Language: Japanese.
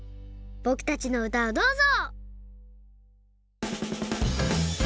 ぼくたちのうたをどうぞ！